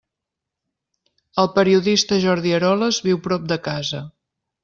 El periodista Jordi Eroles viu prop de casa.